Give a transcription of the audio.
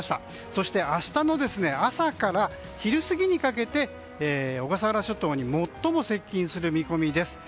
そして明日の朝から昼過ぎにかけて小笠原諸島に最も接近する見込みです。